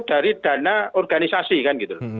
dari dana organisasi kan gitu